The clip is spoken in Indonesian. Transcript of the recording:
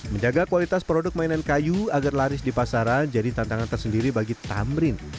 menjaga kualitas produk mainan kayu agar laris di pasaran jadi tantangan tersendiri bagi tamrin